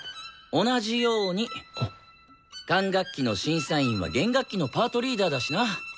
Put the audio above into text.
同じように管楽器の審査員は弦楽器のパートリーダーだしな。